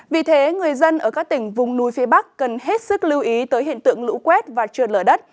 vì thế người dân ở các tỉnh vùng núi phía bắc cần hết sức lưu ý tới hiện tượng lũ quét và trượt lở đất